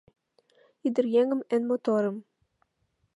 Ӱдыръеҥым, эн моторым